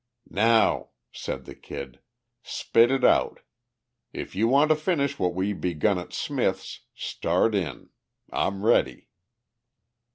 "Now," said the Kid, "spit it out. If you want to finish what we begun at Smith's start in. I'm ready."